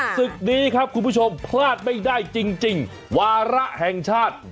ศึกนี้ครับคุณผู้ชมพลาดไม่ได้จริงวาระแห่งชาติ